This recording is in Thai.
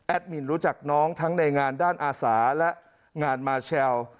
มินรู้จักน้องทั้งในงานด้านอาสาและงานมาเชล